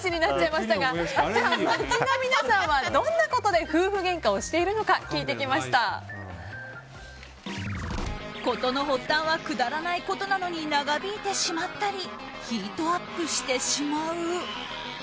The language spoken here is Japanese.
街の皆さんはどんなことで夫婦げんかをしているのか事の発端はくだらないことなのに長引いてしまったりヒートアップしてしまう。